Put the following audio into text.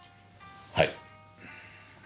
はい。